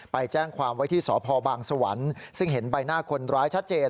ไปแจ้งความไว้ที่สพบางสวรรค์ซึ่งเห็นใบหน้าคนร้ายชัดเจน